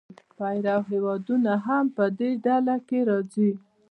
پیرو هېوادونه هم په دې ډله کې راځي.